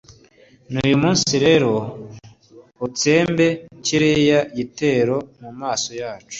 n'uyu munsi rero utsembe kiriya gitero mu maso yacu